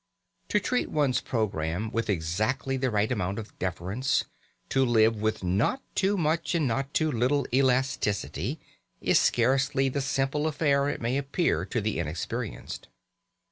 To treat one's programme with exactly the right amount of deference, to live with not too much and not too little elasticity, is scarcely the simple affair it may appear to the inexperienced.